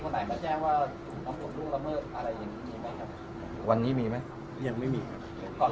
เข้ามาแจ้งว่าความร่วมรู้ละเมิดอะไรยังมีไหมครับวันนี้มีไหมยังไม่มีครับ